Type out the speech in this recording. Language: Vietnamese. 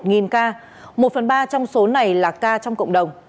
hà nội đã ra mắc mới với một ca một phần ba trong số này là ca trong cộng đồng